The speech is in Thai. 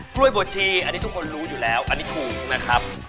กล้วยบวชชีอันนี้ทุกคนรู้อยู่แล้วอันนี้ถูกนะครับ